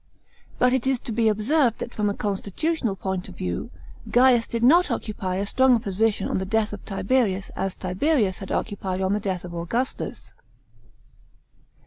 But it is to be observed that from a constitutional point of view Gaius did not occupy as strong a position on ihe death ot Tiberius as Tiberius had occupied on the death of Augustus.